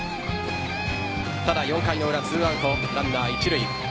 ただ、４回の裏、２アウトランナー一塁。